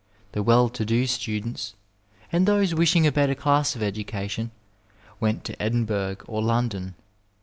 The well to do students and those wishing a better dass of education went to Edin burgh or London.